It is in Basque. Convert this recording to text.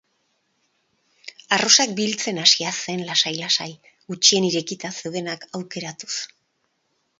Arrosak biltzen hasia zen lasai-lasai, gutxien irekita zeudenak aukeratuz.